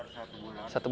sekitar satu bulan